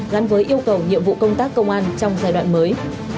gắn với yêu cầu nhiệm vụ công tác công an trong giai đoạn mới